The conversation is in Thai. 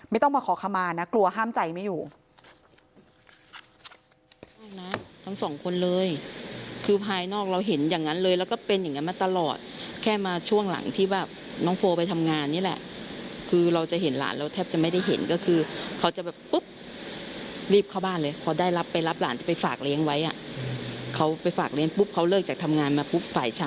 ไม่ต้องมาขอขมานะกลัวห้ามใจไม่อยู่